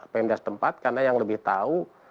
pemdas tempat karena yang lebih tahu